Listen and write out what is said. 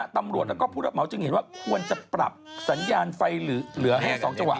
ตำรวจแล้วก็ผู้รับเหมาจึงเห็นว่าควรจะปรับสัญญาณไฟเหลือให้๒จังหวะ